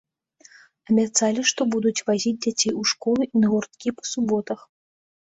Абяцалі, што будуць вазіць дзяцей у школу і на гурткі па суботах.